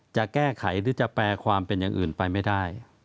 จะแก้ไขหรือจะแปลความเป็นอย่างอื่นไปไม่ได้